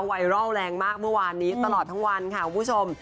ไวรัลแรงมากเมื่อวานนี้ตลอดทั้งวันค่ะคุณผู้ชม